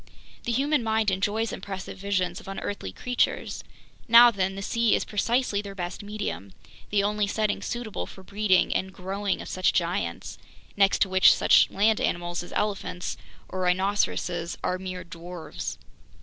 The human mind enjoys impressive visions of unearthly creatures. Now then, the sea is precisely their best medium, the only setting suitable for the breeding and growing of such giants—next to which such land animals as elephants or rhinoceroses are mere dwarves.